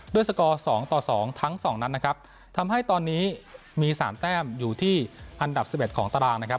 ด้วยสกอร์๒ต่อ๒ทั้ง๒นั้นนะครับทำให้ตอนนี้มี๓แต้มอยู่ที่อันดับ๑๑ของตารางนะครับ